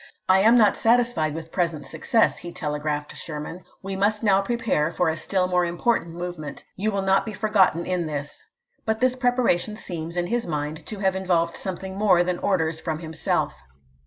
"I am not satisfied with present success," he telegraphed Sherman. "We must now prepare fherma^ for a still more important movement. You will not 1862® w.^'r. be forgotten in this." But this preparation seems, p.' 629. ' in his mind, to have involved something more than orders from himself.